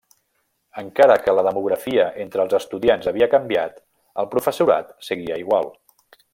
Encara que la demografia entre els estudiants havia canviat, el professorat seguia igual.